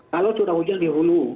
kalau curah hujan di hulu